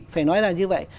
phải nói ra như vậy